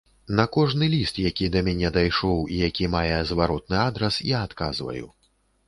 На кожны ліст, які да мяне дайшоў і які мае зваротны адрас, я адказваю.